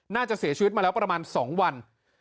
น่าจะเสียชีวิตมาแล้วประมาณ๒วัน